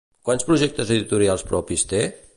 Quants projectes editorials propis té?